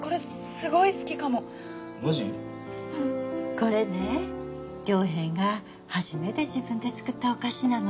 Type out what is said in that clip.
これね良平が初めて自分で作ったお菓子なの。